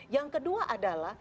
yang kedua adalah